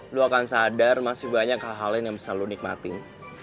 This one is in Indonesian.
lu akan sadar masih banyak hal hal lain yang bisa lo nikmatin